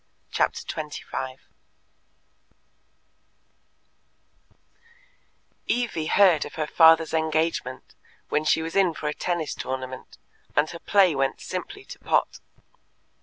Chapter 25 Evie heard of her father's engagement when she was in for a tennis tournament, and her play went simply to pot.